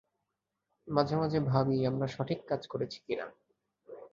মাঝেমাঝে ভাবি আমরা সঠিক কাজ করেছি কিনা।